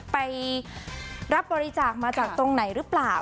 ไปรับบริจาคมาจากตรงไหนหรือเปล่า